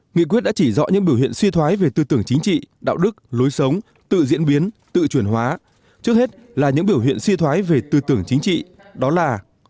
nghị quyết đã chỉ rõ những biểu hiện suy thoái về tư tưởng chính trị đạo đức lối sống tự diễn biến tự chuyển hóa trước hết là những biểu hiện suy thoái về tư tưởng chính trị đó là